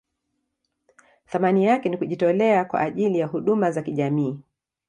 Thamani yake ni kujitolea kwa ajili ya huduma za kijamii.